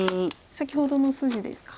先ほどの筋ですか。